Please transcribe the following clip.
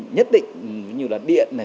nhất định như là điện